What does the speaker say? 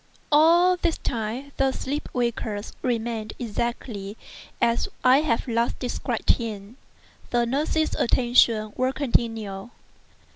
All this time the sleeper waker remained exactly as I have last described him. The nurses' attentions were continual.